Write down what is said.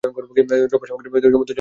দ্রব্য সামগ্রী সমুদায় জলমগ্ন হইয়াছে।